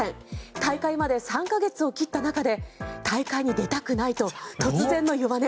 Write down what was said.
大会まで３か月を切った中で大会に出たくないと突然の弱音。